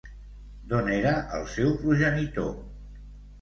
D'on era el seu progenitor?